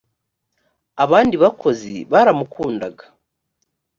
abandi bakozi baramukundaga